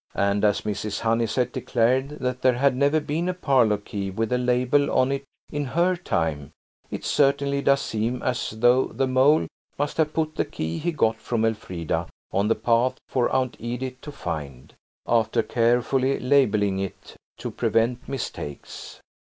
And as Mrs. Honeysett declared that there had never been a parlour key with a label on it in her time it certainly does seem as though the Mole must have put the key he got from Elfrida on the path for Aunt Edith to find, after carefully labelling it to prevent mistakes.